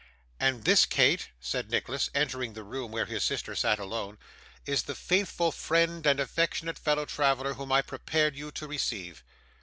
'And this, Kate,' said Nicholas, entering the room where his sister sat alone, 'is the faithful friend and affectionate fellow traveller whom I prepared you to receive.